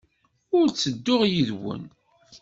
Ur ttedduɣ yid-wen.